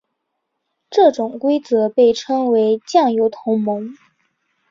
这种规则被称为酱油同盟。